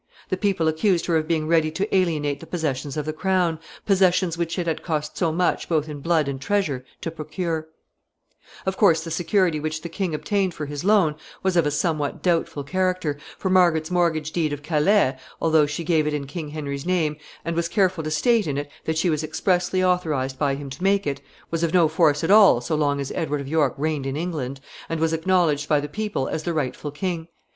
The people accused her of being ready to alienate the possessions of the crown, possessions which it had cost so much both in blood and treasure to procure. [Sidenote: Doubtful security.] Of course, the security which the king obtained for his loan was of a somewhat doubtful character, for Margaret's mortgage deed of Calais, although she gave it in King Henry's name, and was careful to state in it that she was expressly authorized by him to make it, was of no force at all so long as Edward of York reigned in England, and was acknowledged by the people as the rightful king.